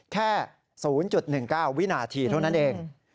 แค่๐๑๙วินาทีเท่านั้นเอง